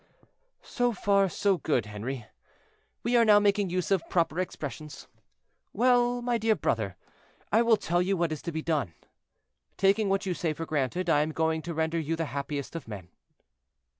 "So far, so good, Henri; we are now making use of proper expressions. Well, my dear brother, I will tell you what is to be done. Taking what you say for granted, I am going to render you the happiest of men."